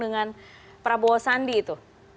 dengan prabowo sandi itu